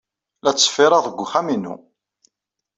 La ttṣeffireɣ deg wexxam-inu.